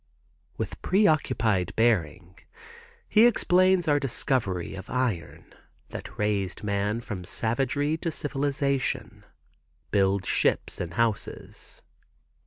With preoccupied bearing, he explains our discovery of iron, that raised man from savagery to civilization, builds ships and houses.